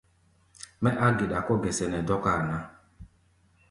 Mɛ́ á geɗa kɔ̧́ gɛsɛ nɛ dɔ́káa ná.